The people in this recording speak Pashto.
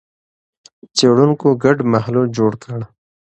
څېړونکو ګډ محلول جوړ کړ.